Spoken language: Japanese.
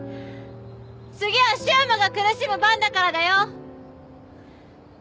次は柊磨が苦しむ番だからだよ。